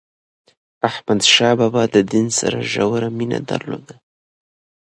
احمد شاه بابا د دین سره ژوره مینه درلوده.